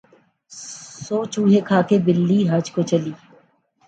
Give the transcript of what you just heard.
سو چوہے کھا کے بلی حج کو چلی